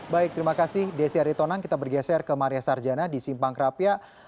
baik terima kasih desi aritonang kita bergeser ke maria sarjana di simpang kerapia